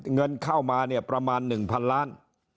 เงินเข้ามาประมาณ๑๐๐๐ล้าน